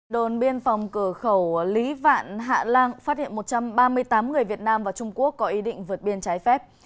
đồn biên phòng cửa khẩu lý vạn hạ lan phát hiện một trăm ba mươi tám người việt nam và trung quốc có ý định vượt biên trái phép